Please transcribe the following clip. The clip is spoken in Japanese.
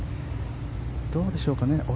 どうでしょうかね